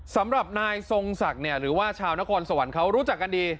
สำหรับนายทรงศักดิ์เนี่ยหรือว่าชาวนครสวรรค์เขารู้จักกันดี